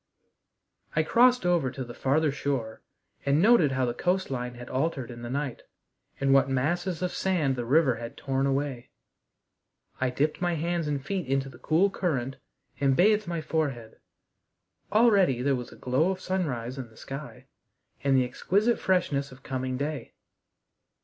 I crossed over to the farther shore and noted how the coast line had altered in the night, and what masses of sand the river had torn away. I dipped my hands and feet into the cool current, and bathed my forehead. Already there was a glow of sunrise in the sky and the exquisite freshness of coming day.